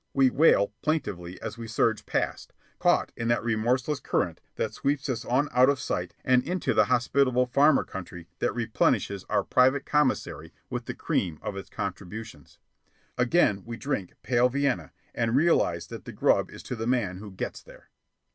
we wail plaintively as we surge past, caught in that remorseless current that sweeps us on out of sight and into the hospitable farmer country that replenishes our private commissary with the cream of its contributions. Again we drink pale Vienna and realize that the grub is to the man who gets there.